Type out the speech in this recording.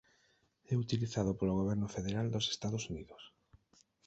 É utilizado polo goberno federal dos Estados Unidos.